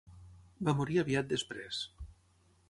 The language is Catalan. Va morir aviat després.